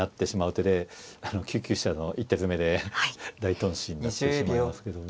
手で９九飛車の一手詰めで大頓死になってしまいますけども。